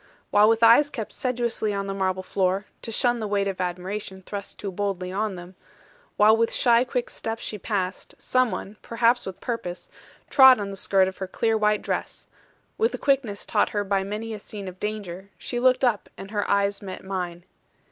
While with eyes kept sedulously on the marble floor, to shun the weight of admiration thrust too boldly on them, while with shy quick steps she passed, some one (perhaps with purpose) trod on the skirt of her clear white dress, with the quickness taught her by many a scene of danger, she looked up, and her eyes met mine.